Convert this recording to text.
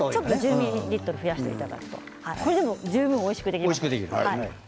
１０ミリリットル増やしていただくとこれでも十分おいしくできます。